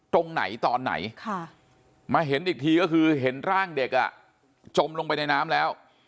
ตรงไหนตอนไหนมาเห็นอีกทีก็คือเห็นร่างเด็กจมลงไปในน้ำแล้ว